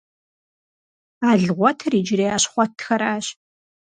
Алгъуэтыр иджырей Ащхъуэтхэращ.